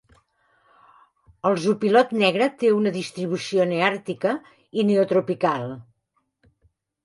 El zopilot negre té una distribució neàrtica i neotropical.